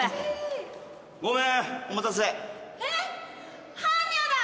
ごめんお待たせ般若だ